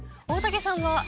大竹さんは？